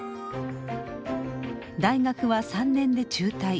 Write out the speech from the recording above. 大学は３年で中退。